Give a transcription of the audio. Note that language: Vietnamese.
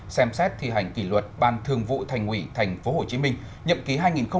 xem xét thi hành kỷ luật ban thương vụ thành ủy tp hcm nhậm ký hai nghìn một mươi hai nghìn một mươi năm